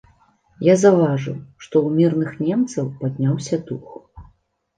Я заўважыў, што ў мірных немцаў падняўся дух.